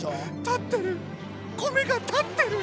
立ってる米が立ってる！